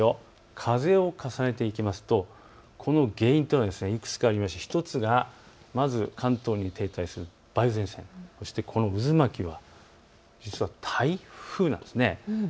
風を重ねていきますとこの原因となるのがいくつかありまして１つは関東に停滞する梅雨前線、この渦巻きは実は台風なんです。